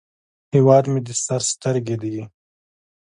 هیواد مې د سر سترګې دي